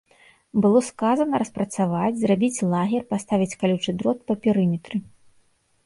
Было сказана распрацаваць, зрабіць лагер, паставіць калючы дрот па перыметры.